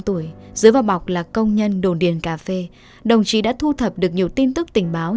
năm mươi tuổi dưới vào bọc là công nhân đồn điền cà phê đồng chí đã thu thập được nhiều tin tức tình báo